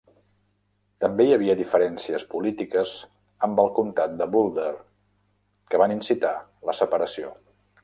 També hi havia diferències polítiques amb el comtat de Boulder, que van incitar la separació.